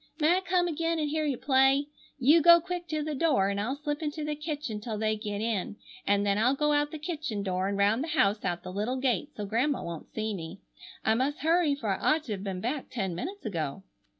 May I come again and hear you play? You go quick to the door, and I'll slip into the kitchen till they get in, and then I'll go out the kitchen door and round the house out the little gate so Grandma won't see me. I must hurry for I ought to have been back ten minutes ago."